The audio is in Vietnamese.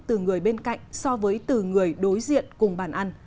từ người bên cạnh so với từ người đối diện cùng bàn ăn